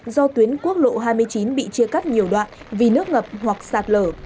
do tuyến quốc lộ hai mươi chín bị chia cắt nhiều đoạn vì nước ngập hoặc sạt lở